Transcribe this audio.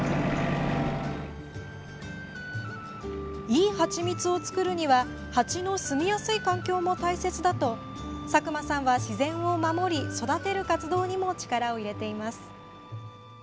いいハチミツを作るにはハチの住みやすい環境も大切だと佐久間さんは自然を守り、育てる活動にも力を入れています。